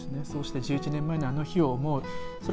そうして１１年前のあの日を思う。